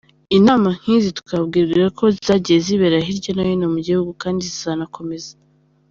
Inama nk’izi twababwirako zagiye zibera hirya no hino mu gihugu kandi zizanakomeza.